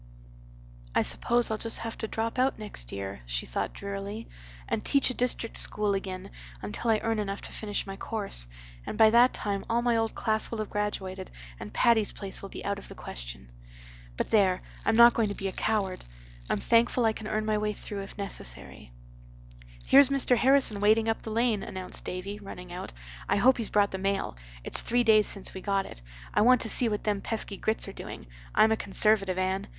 "I suppose I'll just have to drop out next year," she thought drearily, "and teach a district school again until I earn enough to finish my course. And by that time all my old class will have graduated and Patty's Place will be out of the question. But there! I'm not going to be a coward. I'm thankful I can earn my way through if necessary." "Here's Mr. Harrison wading up the lane," announced Davy, running out. "I hope he's brought the mail. It's three days since we got it. I want to see what them pesky Grits are doing. I'm a Conservative, Anne.